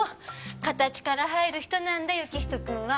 形から入る人なんだ行人君は。